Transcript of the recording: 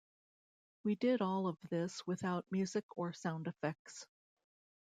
We did all of this without music or sound effects.